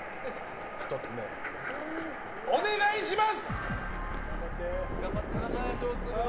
１つ目、お願いします。